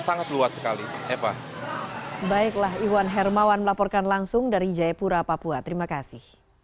sangat luas sekali